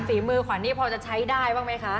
ฝีมือขวัญนี่พอจะใช้ได้บ้างไหมคะ